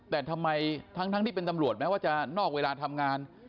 แต่ทำไมทั้งที่เป็นตำรวจแม้ว่าจะนอกเวลาทำงาน